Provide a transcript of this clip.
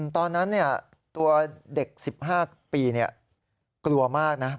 ตอนนั้นเนี้ยตัวเด็กสิบห้าปีเนี้ยกลัวมากนะ